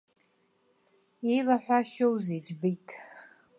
Иеилаҳәашьоузеи, џьбеит?!